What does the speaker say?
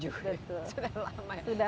sudah lama ya